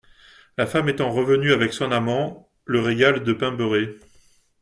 La femme, étant revenue avec son amant, le régale de pain beurré.